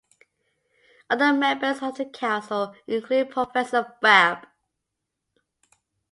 Other members of the council include Professor Fab.